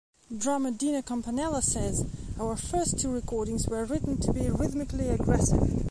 Drummer Dino Campanella says, Our first two recordings were written to be rhythmically aggressive.